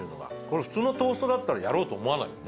これ普通のトーストだったらやろうと思わない。